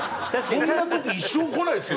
そんな時一生来ないですよ